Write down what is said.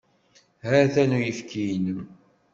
Ha-t-an uyefki-inem.